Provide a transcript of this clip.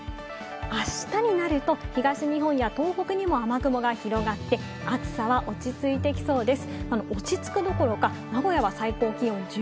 明日になると東日本や東北にも雨雲が広がって暑さは落ち着いてきそうです。